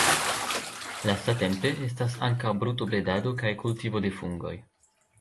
Lastatempe estas ankaŭ brutobredado kaj kultivo de fungoj.